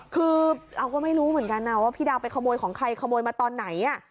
คือเราก็ไม่รู้เหมือนกันนะว่าพี่ดาวไปขโมยของใครขโมยมาตอนไหน